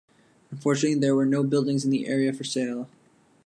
Unfortunately there were no buildings in the area for sale.